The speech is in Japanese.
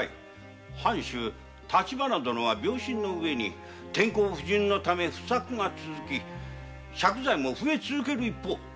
藩主・立花殿は病身の上に天候不順のため不作が続き借財も増え続け